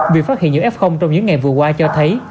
việc phát hiện những f trong những ngày vừa qua cho thấy